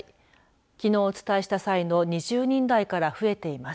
きのうお伝えした際の２０人台から増えています。